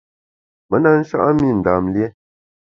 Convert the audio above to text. Me na sha’a mi Ndam lié.